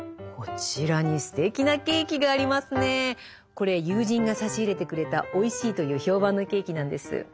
これ友人が差し入れてくれたおいしいという評判のケーキなんです。